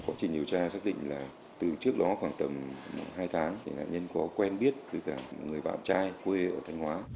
công trình điều tra xác định là từ trước đó khoảng tầm hai tháng nạn nhân có quen biết người bạn trai quê ở thành hóa